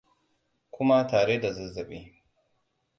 kuma tare da zazzabi